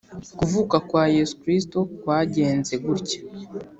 Kuvuka kwa Yesu Kristo kwagenze gutya.